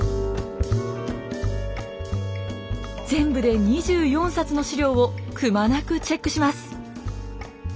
全部で２４冊の資料をくまなくチェックします。